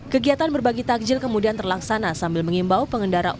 kegiatan berbagi takjil kemudian terlaksana sambil mengimbau pengendara